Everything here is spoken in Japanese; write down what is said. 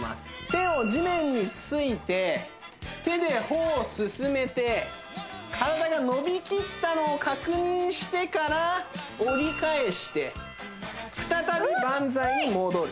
手を地面について手で歩を進めて体が伸びきったのを確認してから折り返して再びバンザイに戻るうわ